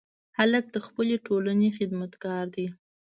هلک د خپلې ټولنې خدمتګار دی.